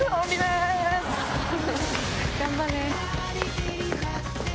頑張れ！